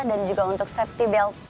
dan juga untuk safety belt